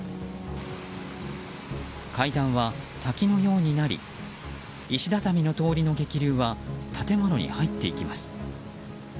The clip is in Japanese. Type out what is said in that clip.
階段は滝のようになり石畳の通りの激流は建物に入っていきます。